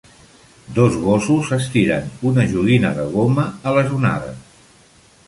Dos gossos estiren una joguina de goma a les onades